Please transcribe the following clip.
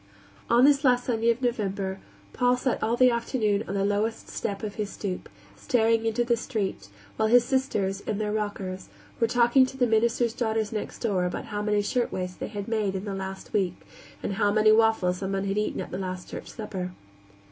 On this last Sunday of November Paul sat all the afternoon on the lowest step of his stoop, staring into the street, while his sisters, in their rockers, were talking to the minister's daughters next door about how many shirtwaists they had made in the last week, and how many waffles someone had eaten at the last church supper.